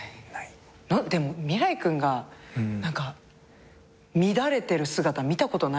でも未來君が乱れてる姿見たことないから。